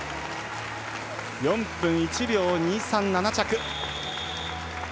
４分１秒２３、７着。